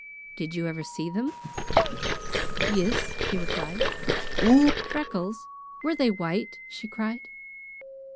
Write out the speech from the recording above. Did you ever see them?" "Yis," he replied. "Freckles! Were they white?" she cried.